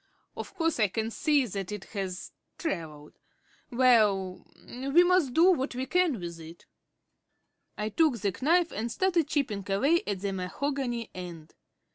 Of course I can see that it has travelled. Well, we must do what we can with it." I took the knife and started chipping away at the mahogany end.